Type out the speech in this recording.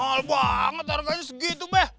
mahal banget harganya segitu beh